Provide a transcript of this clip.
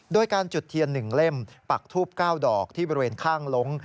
โดยการจุดเทียนหนึ่งเล่มปักทูปเก้าดอกที่บริเวณข้างลง